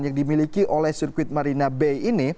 yang dimiliki oleh sirkuit marina bay ini